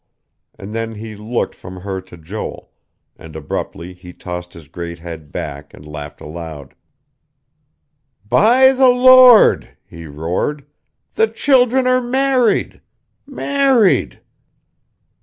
And then he looked from her to Joel, and abruptly he tossed his great head back and laughed aloud. "By the Lord," he roared. "The children are married. Married...."